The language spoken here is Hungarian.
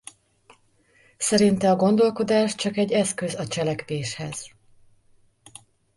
Szerinte a gondolkodás csak egy eszköz a cselekvéshez.